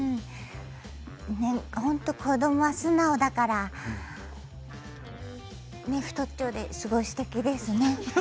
本当に子どもは素直だから太っちょですごいすてきですね。